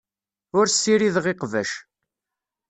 Ur ssirideɣ iqbac.